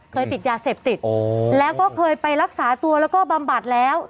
เคยติดยาเสพติดแล้วก็เคยไปรักษาตัวแล้วก็บำบัดแล้ว